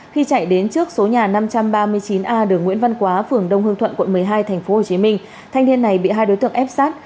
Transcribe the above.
khi chạy đến trước số nhà năm trăm ba mươi chín a đường nguyễn văn quá phường đông hương thuận quận một mươi hai tp hcm thanh niên này bị hai đối tượng ép sát